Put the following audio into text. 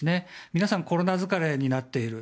皆さん、コロナ疲れになっている。